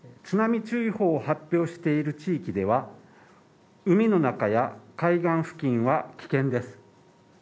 津波注意報を発表している地域では、海の中や海岸付近は危険です。